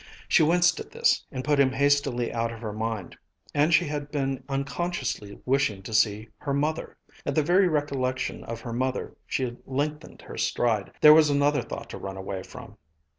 She winced at this, and put him hastily out of her mind. And she had been unconsciously wishing to see her mother! At the very recollection of her mother she lengthened her stride. There was another thought to run away from!